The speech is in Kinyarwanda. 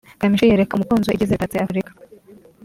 Kamichi yereka umukunzi we ibyiza bitatse Afurika